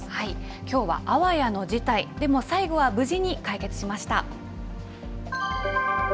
きょうはあわやの事態、でも最後は無事に解決しました。